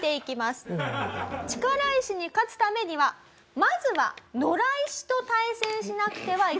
力石に勝つためにはまずは野良石と対戦しなくてはいけない。